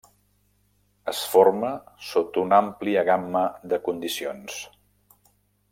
Es forma sota una àmplia gamma de condicions.